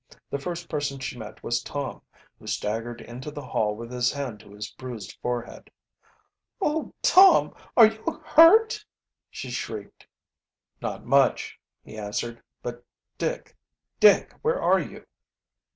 The first person she met was Tom, who staggered into the hall with his hand to his bruised forehead. "Oh, Tom, are you hurt?" she shrieked. "Not much," he answered. "But Dick Dick, where are you?"